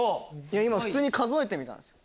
今普通に数えてみたんですよ。